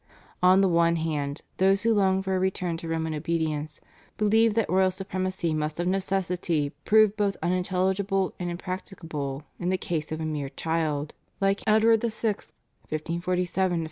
On the one hand, those, who longed for a return to Roman obedience, believed that royal supremacy must of necessity prove both unintelligible and impracticable in the case of a mere child like Edward VI.